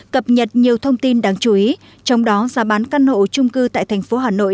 cập nhật nhiều thông tin đáng chú ý trong đó giá bán căn hộ trung cư tại thành phố hà nội